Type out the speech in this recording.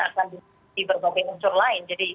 akan di berbagai unsur lain jadi